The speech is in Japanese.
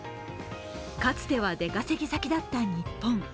かつては出稼ぎ先だった日本。